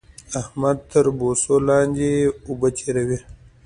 احمد تر بوسو لاندې اوبه تېروي